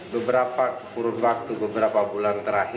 beberapa kurun waktu beberapa bulan terakhir